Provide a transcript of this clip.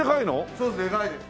そうですでかいです。